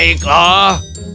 itu takkan dihajar